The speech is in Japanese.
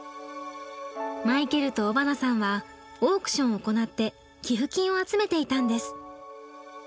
マイケルと尾花さんはオークションを行って寄付金を集めていたんです。